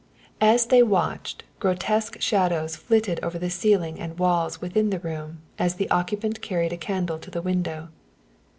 As they watched, grotesque shadows flitted over the ceiling and walls within the room as the occupant carried the candle to the window.